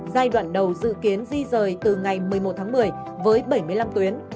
giai đoạn đầu dự kiến di rời từ ngày một mươi một tháng một mươi với bảy mươi năm tuyến